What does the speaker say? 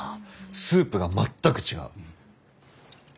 スープが全く違う。